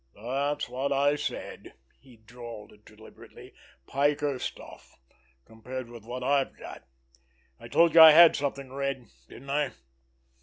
"That's what I said," he drawled deliberately. "Piker stuff—compared with what I've got. I told you I had something, Red—didn't I?"